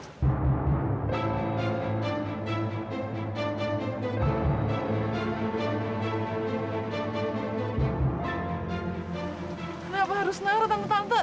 kenapa harus nara tante